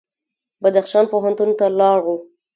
بدخشان پوهنتون ته لاړو.